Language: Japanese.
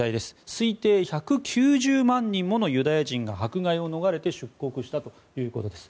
推定１９０万人ものユダヤ人が迫害を逃れて出国したということです。